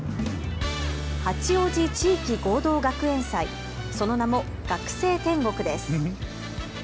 八王子地域合同学園祭、その名も学生天国です。